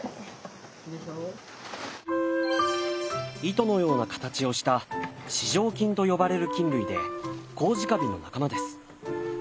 糸のような形をした糸状菌と呼ばれる菌類でコウジカビの仲間です。